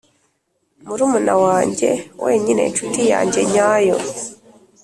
murumuna wanjye wenyine ... inshuti yanjye nyayo